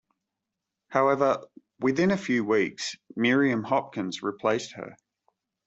However, within a few weeks, Miriam Hopkins replaced her.